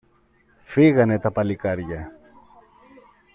φύγανε τα παλικάρια